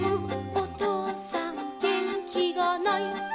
おとうさんげんきがない」